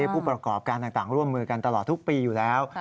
ผู้ประกอบการต่างร่วมมือกันตลอดทุกปีอยู่แล้ว